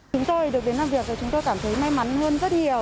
chúng tôi được đến làm việc rồi chúng tôi cảm thấy may mắn hơn rất nhiều